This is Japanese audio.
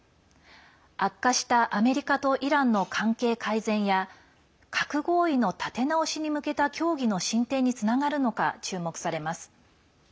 悪化したアメリカとイランの関係改善や核合意の立て直しに向けた協議の進展につながるのか注目されます。